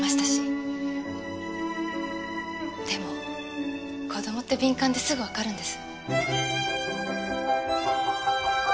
でも子供って敏感ですぐわかるんです。